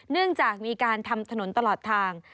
เนื่องจากมีการทำถนนตลอดทาง